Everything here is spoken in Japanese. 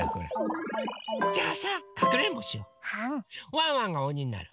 ワンワンがおにになる。